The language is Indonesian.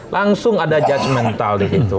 langsung ada judgement mental di situ